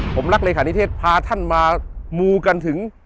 ผมรักเลขานิเทศพาท่านมามูกันถึง